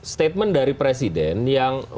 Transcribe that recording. statement dari presiden yang